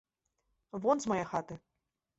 Вон з мае хаты!